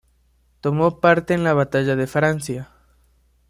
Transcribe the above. Tomó parte en la Batalla de Francia.